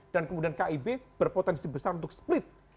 dan kemudian kib berpotensi besar untuk split